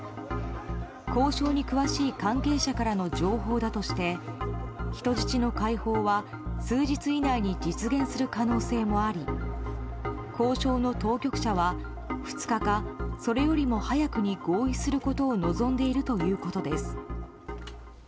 交渉に詳しい関係者からの情報だとして人質の解放は数日以内に実現する可能性もあり交渉の当局者は２日かそれよりも早くに合意することを望んでいるということです。